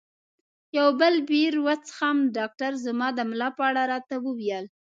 یو بل بیر وڅښم؟ ډاکټر زما د ملا په اړه راته وویل.